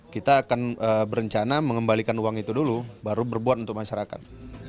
kita akan berencana mengembalikan uang itu dulu baru berbuat untuk masyarakat